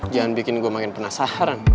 jangan bikin gue makin penasaran